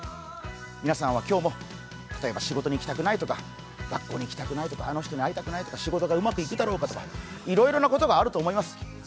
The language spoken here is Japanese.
皆さんは今日も例えば仕事に行きたくないとか学校に行きたくないとか、あの人に会いたくないとか仕事がうまくいくだろうかとか、いろいろなことがあると思います。